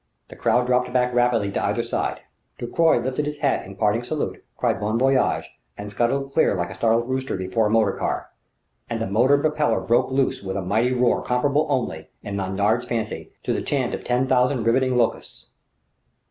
The crowd dropped back rapidly to either side. Ducroy lifted his hat in parting salute, cried "Bon voyage!" and scuttled clear like a startled rooster before a motor car. And the motor and propeller broke loose with a mighty roar comparable only, in Lanyard's fancy, to the chant of ten thousand rivetting locusts.